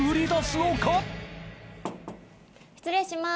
失礼します。